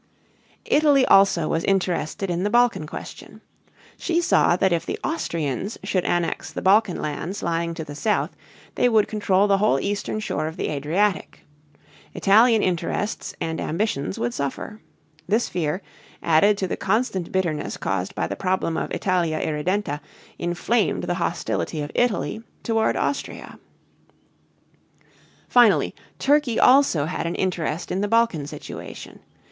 Italy also was interested in the Balkan question. She saw that if the Austrians should annex the Balkan lands lying to the south they would control the whole eastern shore of the Adriatic. Italian interests and ambitions would suffer. This fear, added to the constant bitterness caused by the problem of Italia Irredenta, inflamed the hostility of Italy toward Austria. Finally, Turkey also had an interest in the Balkan situation.